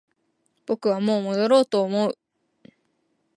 僕はもう戻ろうと思う